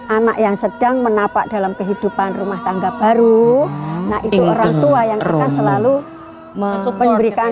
anak yang sedang menapak dalam kehidupan rumah tangga baru nah itu orang tua yang akan selalu memberikan